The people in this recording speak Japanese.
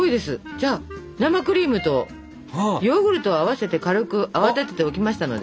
じゃあ生クリームとヨーグルトを合わせて軽く泡立てておきましたので。